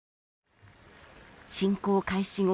侵攻開始後